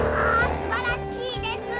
すばらしいですね！